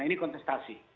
nah ini kontestasi